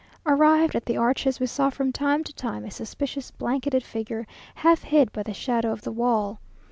Arrived at the arches, we saw from time to time a suspicious blanketed figure half hid by the shadow of the wall.